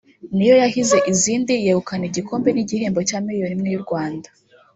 niyo yahize izindi yegukana igikombe n’igihembo cya Miliyoni imwe y’u Rwanda